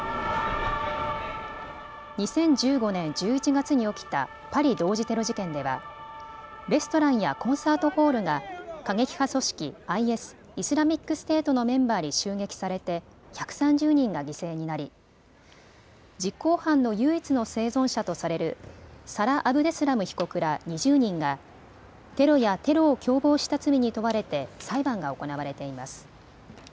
２０１５年１１月に起きたパリ同時テロ事件ではレストランやコンサートホールが過激派組織ＩＳ・イスラミックステートのメンバーに襲撃されて１３０人が犠牲になり、実行犯の唯一の生存者とされるサラ・アブデスラム被告ら２０人がテロやテロを共謀した罪に問われて裁判が行われています。